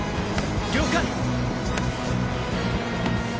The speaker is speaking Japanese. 了解！